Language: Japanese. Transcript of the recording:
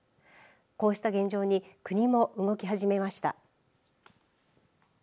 こうした現状に国も動き始めました。